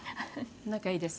仲いいです。